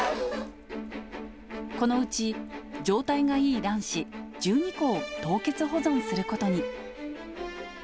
このうち状態がいい卵子１２個を凍結保存することに。